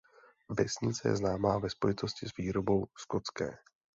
Vesnice je známá ve spojitosti s výrobou Skotské.